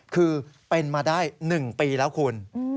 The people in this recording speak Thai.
คือเป็นมาได้๑ปีแล้วคุณ